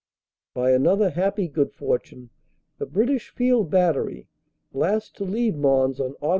By another happy good fortune, the British Field Battery, last to leave Mons on Aug.